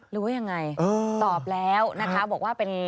หรือว่ายังไงตอบแล้วนะคะบอกว่าเป็น